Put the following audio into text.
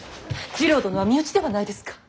次郎殿は身内ではないですか。